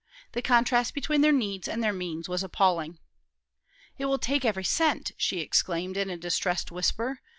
The contrast between their needs and their means was appalling. "It will take every cent!" she exclaimed, in a distressed whisper.